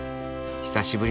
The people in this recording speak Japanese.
久しぶり。